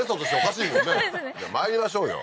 まいりましょうよ